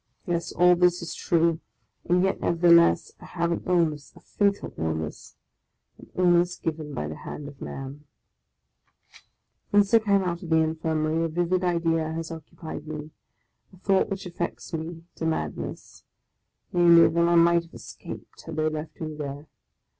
Yes, all this is true; and yet, nevertheless, I have an illness, a fatal illness, — an illness given by the hand of man ! Since I came out of the Infirmary a vivid idea has occu pied me, — a thought which affects me to madness; namely, that I might have escaped, had they left me there!